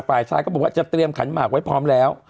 ฝ่ายชายก็บอกว่าจะเตรียมขันหมากไว้พร้อมแล้ว